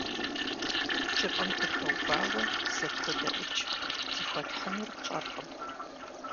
КӀыфӀым дыхэувауэ, дызэпходэӀукӀ – зыхуэтхьынур тщӀэркъым.